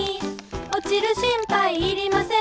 「おちる心配いりません」